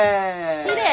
きれい！